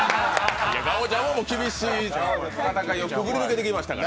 ガオちゃんも厳しい戦いをくぐり抜けてきましたから。